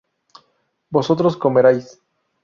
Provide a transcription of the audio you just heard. vosotros comierais